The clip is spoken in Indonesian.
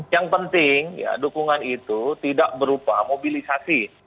yang penting ya dukungan itu tidak berupa mobilisasi